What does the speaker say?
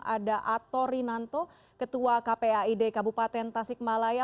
ada ato rinanto ketua kpaid kabupaten tasikmalaya